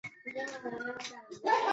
他生于工布博楚寺之中麦地方。